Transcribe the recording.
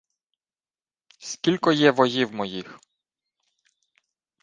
— Скілько є воїв моїх?